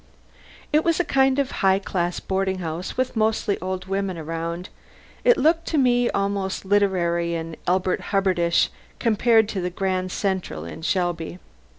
It was a kind of high class boarding house, with mostly old women around. It looked to me almost literary and Elbert Hubbardish compared to the Grand Central in Shelby.